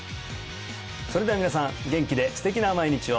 それでは皆さん元気で素敵な毎日を！